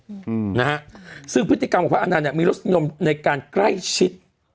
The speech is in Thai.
อืมนะฮะซึ่งพฤติกรรมของพระอนันต์เนี้ยมีรสนิยมในการใกล้ชิด